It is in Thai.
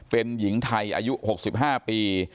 เป็นหญิงไทยอายุ๖๕ปี